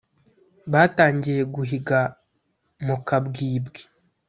Batangiye guhiga mu kabwibwi